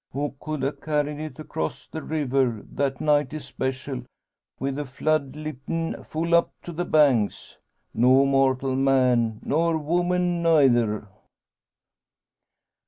Who could 'a carried it across the river that night especial, wi' a flood lippin' full up to the banks? No mortal man, nor woman neyther!"